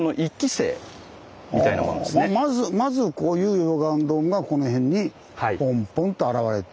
ああまずこういう溶岩ドームがこの辺にポンポンと現れて。